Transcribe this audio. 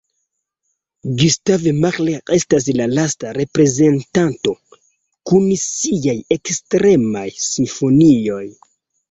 Gustav Mahler estas la lasta reprezentanto kun siaj ekstremaj simfonioj.